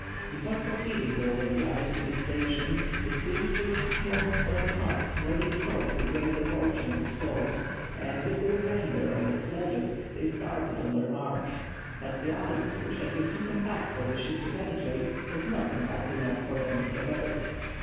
Before proceeding over the ice to the station the three built a small stone hut, where they stored the greater portion of the stores, and with the remainder on their sledge they started on their march. But the ice, which had been too compact for the ship to penetrate, was not compact enough for them to traverse.